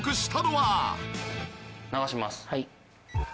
はい。